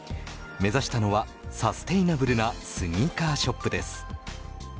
目指したのはサステイナブルなスニーカーショップです。